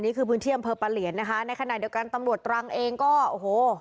พื้นที่อำเภอปะเหลียนนะคะในขณะเดียวกันตำรวจตรังเองก็โอ้โห